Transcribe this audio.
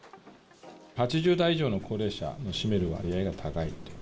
８０代以上の高齢者の占める割合が高いと。